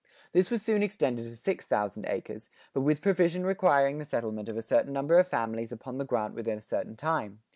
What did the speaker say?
This was soon extended to six thousand acres, but with provision requiring the settlement of a certain number of families upon the grant within a certain time.